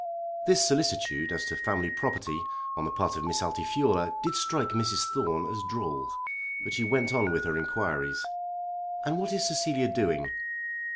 This solicitude as to "family property" on the part of Miss Altifiorla did strike Mrs. Thorne as droll. But she went on with her inquiries. "And what is Cecilia doing?"